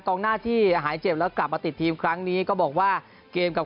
ก็จะมีการลงรายละเอียดที่สุดในการเล่นเกมวันนี้ครับ